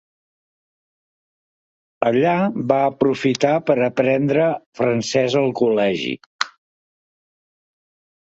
Allà va aprofitar per a aprendre francès al col·legi.